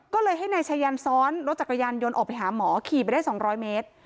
ก็เลยให้นายชายันซ้อนรถจักรยานยนต์ออกไปหาหมอขี่ไปได้๒๐๐เมตร